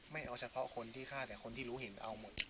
ไม่เอาเฉพาะคนที่ฆ่าแต่คนที่รู้เห็นเอาหมด